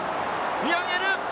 見上げる！